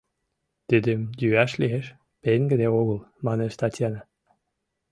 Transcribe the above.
— Тидым йӱаш лиеш, пеҥгыде огыл, — манеш Татьяна.